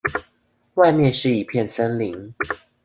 外面是一片森林